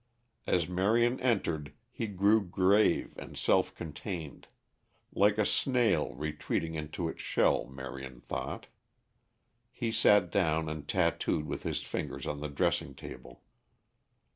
As Marion entered he grew grave and self contained; like a snail retreating into its shell, Marion thought. He sat down and tattooed with his fingers on the dressing table.